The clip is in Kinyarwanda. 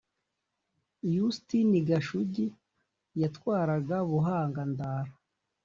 Yustini Gashugi yatwaraga Buhanga-Ndara.